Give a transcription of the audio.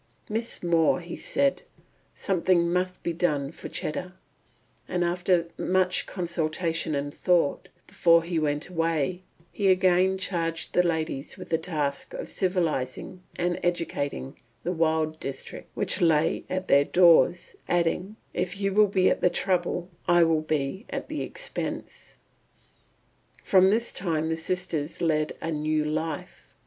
"Miss More," he said, "something must be done for Cheddar;" and after much consultation and thought, before he went away, he again charged the ladies with the task of civilising and educating the wild district which lay at their doors, adding, "If you will be at the trouble, I will be at the expense." From this time the sisters led a new life.